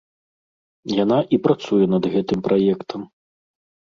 Яна і працуе над гэтым праектам.